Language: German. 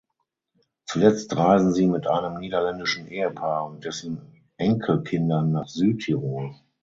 Zuletzt reisen sie mit einem niederländischen Ehepaar und dessen Enkelkindern nach Südtirol.